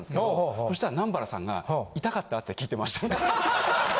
そしたら南原さんが。って聞いてました。